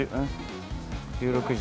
１６時。